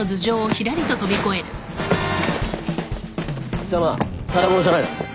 貴様ただ者じゃないな